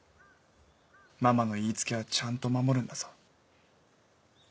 「ママの言い付けはちゃんと守るんだぞ」。